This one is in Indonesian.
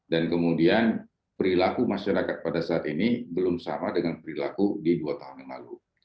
dan kemudian perilaku masyarakat pada saat ini belum sama dengan perilaku di dua tahun yang lalu